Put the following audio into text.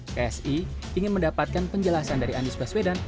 psi ingin mendapatkan penjelasan dari anies baswedan